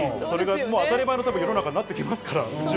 当たり前の世の中になってきますから。